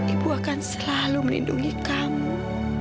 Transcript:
ibu akan selalu melindungi kamu